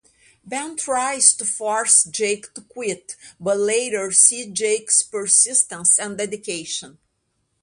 Ben tries to force Jake to quit, but later sees Jake's persistence and dedication.